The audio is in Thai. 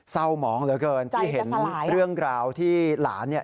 เศร้าหมองเหลือเกินที่เห็นเรื่องราวที่หลาน